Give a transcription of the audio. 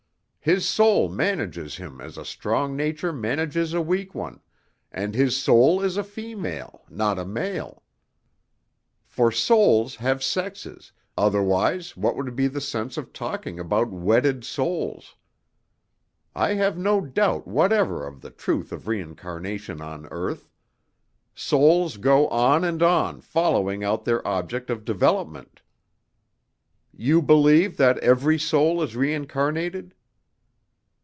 His soul manages him as a strong nature manages a weak one, and his soul is a female, not a male. For souls have sexes, otherwise what would be the sense of talking about wedded souls? I have no doubt whatever of the truth of reincarnation on earth. Souls go on and on following out their object of development." "You believe that every soul is reincarnated?"